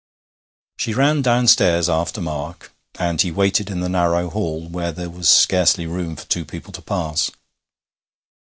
She ran downstairs after Mark, and he waited in the narrow hall, where there was scarcely room for two people to pass.